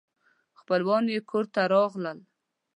خپلوان یې کور ته راغلل.